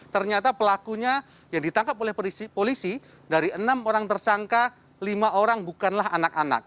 ternyata pelakunya yang ditangkap oleh polisi dari enam orang tersangka lima orang bukanlah anak anak